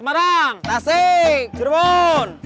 masih ada yang nangis